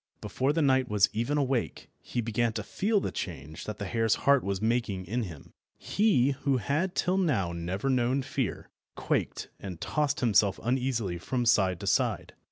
Before the knight was even awake he began to feel the change that the hare's heart was making in him. He, who had till now never known fear, quaked and tossed himself uneasily from side to side.